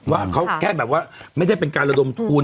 ว่าเขาแค่แบบว่าไม่ได้เป็นการระดมทุน